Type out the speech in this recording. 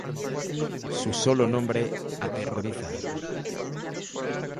Su Sólo nombre aterroriza.